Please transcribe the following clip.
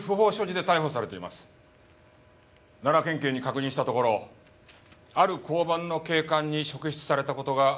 奈良県警に確認したところある交番の警官に職質された事が逮捕のきっかけでした。